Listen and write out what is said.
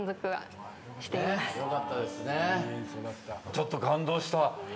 ちょっと感動した。